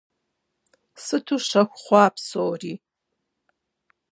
Сыту щэху хъуа псори.